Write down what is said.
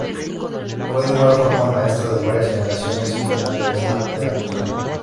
Fue de igual forma maestro de varias generaciones en la Universidad Veracruzana.